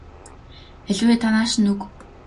Аль вэ та нааш нь өг.